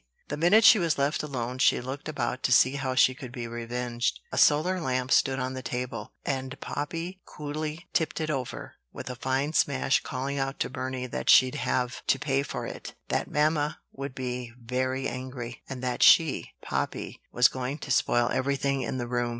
The minute she was left alone, she looked about to see how she could be revenged. A solar lamp stood on the table; and Poppy coolly tipped it over, with a fine smash, calling out to Burney that she'd have to pay for it, that mamma would be very angry, and that she, Poppy, was going to spoil every thing in the room.